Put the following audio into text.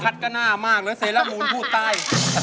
คัดกระหน้ามากเลยเสร็จแล้วมูลพูดตาย